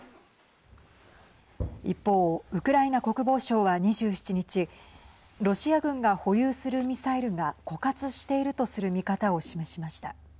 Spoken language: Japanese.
一方、ウクライナ国防省は２７日ロシア軍が保有するミサイルが枯渇しているとする見方を示しました。